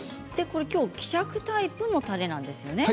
今回は希釈タイプのたれなんですね。